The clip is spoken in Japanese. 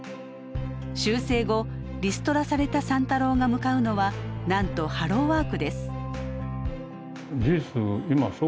修正後リストラされた三太郎が向かうのはなんとハローワークです。